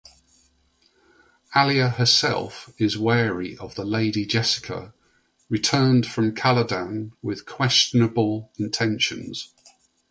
Alia herself is wary of the Lady Jessica, returned from Caladan with questionable intentions.